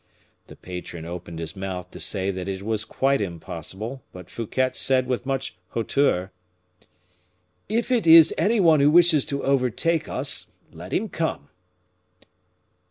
The patron opened his mouth to say that it was quite impossible, but Fouquet said with much hauteur, "If it is any one who wishes to overtake us, let him come."